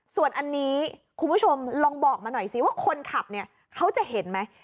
ส่วนอันนี้คุณผู้ชมลองบอกมาหน่อยสิว่าคนขับเนี่ยเขาจะเห็นไหม